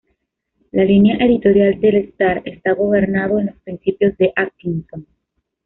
La línea editorial del "Star" está gobernado en los "principios de Atkinson".